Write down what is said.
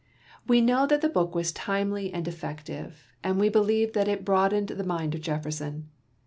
We know that the book was timely and effective, and we believe that it broadened the mind of Jefferson.